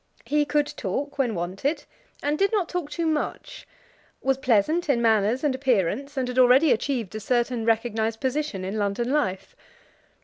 He could talk when wanted, and did not talk too much, was pleasant in manners and appearance, and had already achieved a certain recognised position in London life.